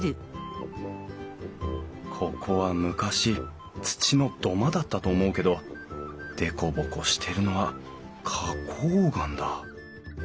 ここは昔土の土間だったと思うけど凸凹してるのは花こう岩だ。